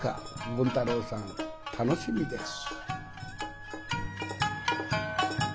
権太楼さん楽しみです。